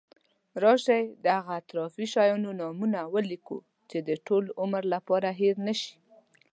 راشي د هغه اطرافي شیانو نومونه ولیکو چې د ټول عمر لپاره هېر نشی.